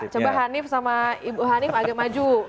coba hanif sama ibu hanif agak maju